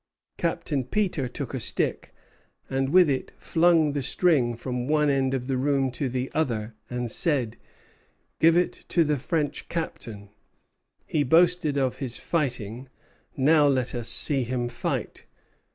Captain Peter took a stick, and with it flung the string from one end of the room to the other, and said: 'Give it to the French captain; he boasted of his fighting, now let us see him fight.